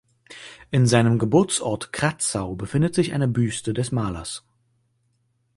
In seinem Geburtsort Kratzau befindet sich eine Büste des Malers.